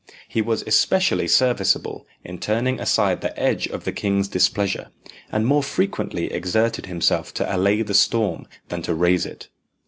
He was especially serviceable in turning aside the edge of the king's displeasure, and more frequently exerted himself to allay the storm than to raise it.